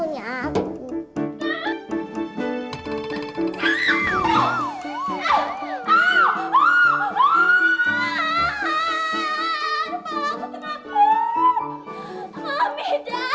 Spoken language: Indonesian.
ini manusia aku cinta sama gigi tau gigi